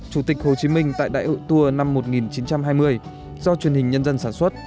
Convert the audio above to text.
chủ tịch hồ chí minh tại đại hội tour năm một nghìn chín trăm hai mươi do truyền hình nhân dân sản xuất